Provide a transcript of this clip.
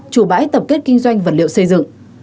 chủ bãi tập kết kinh doanh vật liệu xây dựng